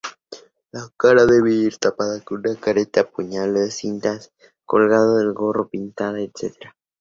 La cara debe ir tapada con una careta, pañuelo, cintas colgando del gorro, pintada...etc.